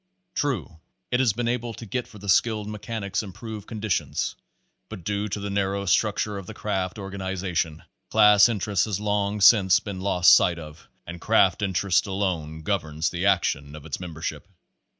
True, it has been able to get for the skilled mechanics improved condi tions ; but due to the narrow structure of the craft or ganization, class interest has long since been lost sight of, and craft interest alone governs the action of its membership.